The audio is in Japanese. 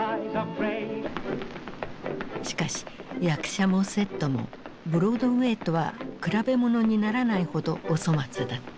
しかし役者もセットもブロードウェイとは比べ物にならないほどお粗末だった。